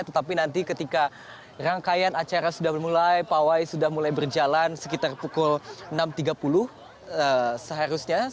tetapi nanti ketika rangkaian acara sudah dimulai pawai sudah mulai berjalan sekitar pukul enam tiga puluh seharusnya